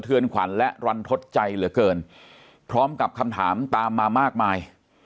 ขวัญและรันทดใจเหลือเกินพร้อมกับคำถามตามมามากมาย